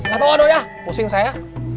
gatau doi ya pusing saya